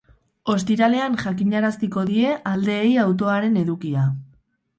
Ostiralean jakinaraziko die aldeei autoaren edukia.